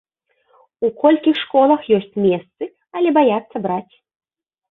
У колькіх школах ёсць месцы, але баяцца браць.